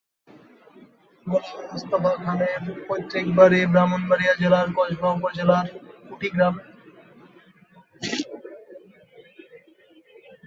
গোলাম মোস্তফা খানের পৈতৃক বাড়ি ব্রাহ্মণবাড়িয়া জেলার কসবা উপজেলার কুটি গ্রামে।